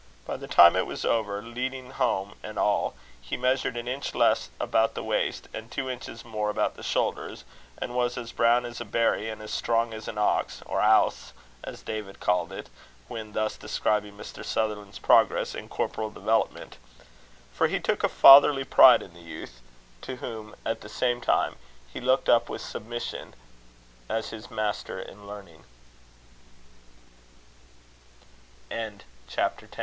By the time it was over, leading home and all, he measured an inch less about the waist, and two inches more about the shoulders; and was as brown as a berry, and as strong as an ox, or "owse," as David called it, when thus describing Mr. Sutherland's progress in corporal development; for he took a fatherly pride in the youth, to whom, at the same time, he looked up with submission, as his master in learning. CHAPTER XI. A CHANGE AND NO CHANGE. Affliction, when I know